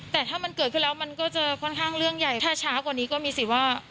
แต่ถ้ามันเกิดขึ้นแล้วมันก็จะค่อนข้างเรื่องใหญ่ถ้าช้ากว่านี้ก็มีสิทธิ์ว่า